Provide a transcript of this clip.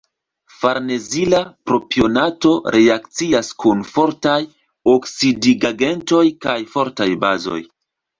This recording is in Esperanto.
Farnezila propionato reakcias kun fortaj oksidigagentoj kaj fortaj bazoj.